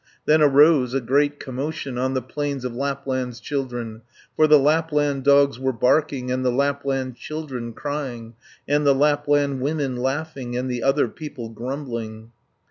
Then arose a great commotion, On the plains of Lapland's children, For the Lapland dogs were barking, And the Lapland children crying, And the Lapland women laughing, And the other people grumbling.